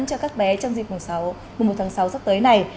cho các bé trong dịp mùng một tháng sáu sắp tới này